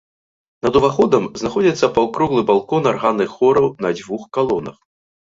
Над уваходам знаходзіцца паўкруглы балкон арганных хораў на дзвюх калонах.